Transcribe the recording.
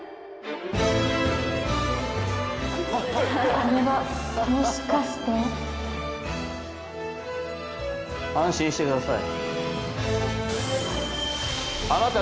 これはもしかして安心してください。